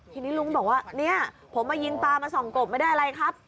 ทีนี้ลุงบอกว่าเนี่ยผมมายิงปลามาส่องกบไม่ได้อะไรครับ